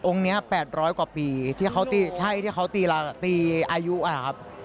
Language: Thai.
นี้๘๐๐กว่าปีที่เขาตีใช่ที่เขาตีอายุอะครับ